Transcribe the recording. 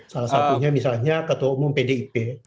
salah satunya misalnya ketua umum pdip